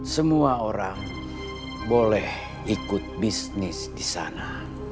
semua orang boleh ikut bisnis di sana